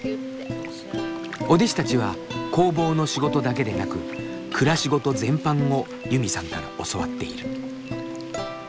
お弟子たちは工房の仕事だけでなく暮らしごと全般をユミさんから教わっている。